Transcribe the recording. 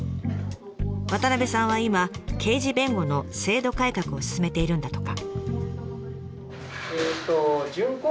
渡さんは今刑事弁護の制度改革を進めているんだとか。